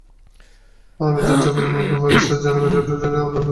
আমি তাঁর চাপের মুখে বলি, স্যার জনগণ ভোট দিলে আপনার প্রার্থী জিতবে।